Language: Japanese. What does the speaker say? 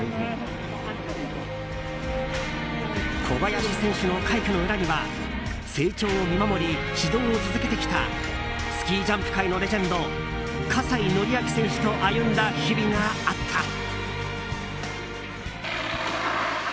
小林選手の快挙の裏には成長を見守り、指導を続けてきたスキージャンプ界のレジェンド葛西紀明選手と歩んだ日々があった。